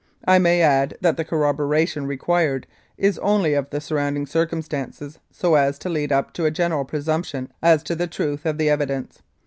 I may add that the corroboration required is only of the surrounding circumstances so as to lead up to a general presumption as to the truth of the evidence.